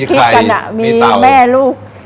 คิดกันมีแม่ลูก